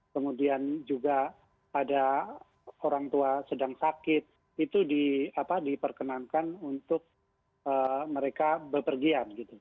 kemudian juga ada orang tua sedang sakit itu diperkenankan untuk mereka berpergian